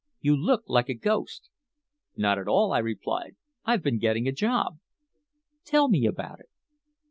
"You look like a ghost." "Not at all," I replied. "I've been getting a job." "Tell me about it."